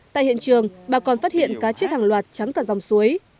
tại hiện trường bà còn phát hiện cá chết hàng loạt trắng cả dòng suối